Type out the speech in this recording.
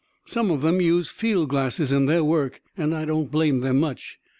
Some of them use field glasses in their work, and I don't blame them much."